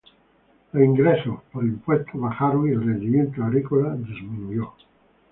Los ingresos por impuestos bajaron y el rendimiento agrícola disminuyó".